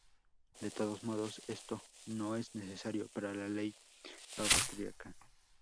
De todos modos esto no es necesario para la ley austríaca.